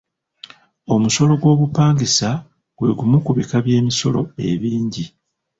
Omusolo gw'obupangisa gwe gumu ku bika by'emisolo ebingi.